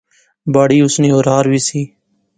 باڑی اس نی اورار وی سی